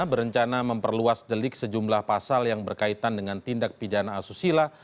berencana memperluas delik sejumlah pasal yang berkaitan dengan tindak pidana asusila